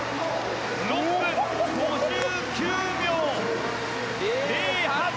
６分５９秒０８！